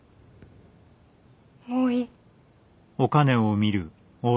もういい。